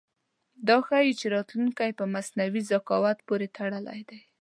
دا ښيي چې راتلونکی په مصنوعي ذکاوت پورې تړلی دی.